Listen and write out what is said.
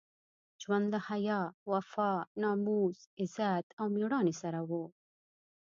ژوند له حیا، وفا، ناموس، عزت او مېړانې سره وو.